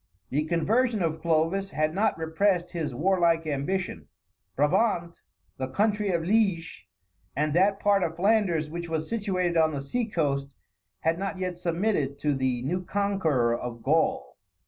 The conversion of Clovis had not repressed his warlike ambition. Brabant, the country of Liege, and that part of Flanders which was situated on the sea coast, had not yet submitted to the new conqueror of Gaul.